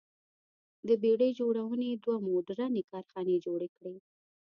د بېړۍ جوړونې دوه موډرنې کارخانې جوړې کړې.